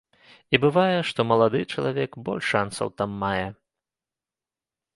І бывае, што малады чалавек больш шанцаў там мае.